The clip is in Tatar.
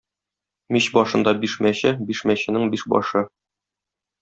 Мич башында биш мәче, биш мәченең биш башы.